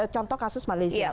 contoh kasus malaysia